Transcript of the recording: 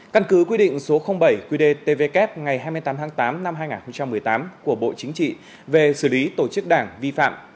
căn cứ quy định số bảy qdtvk ngày hai mươi tám tháng tám năm hai nghìn một mươi tám của bộ chính trị về xử lý tổ chức đảng vi phạm